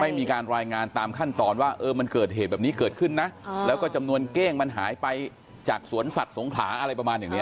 ไม่มีการรายงานตามขั้นตอนว่ามันเกิดเหตุแบบนี้เกิดขึ้นนะแล้วก็จำนวนเก้งมันหายไปจากสวนสัตว์สงขลาอะไรประมาณอย่างนี้